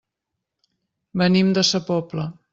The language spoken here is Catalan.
Venim de sa Pobla.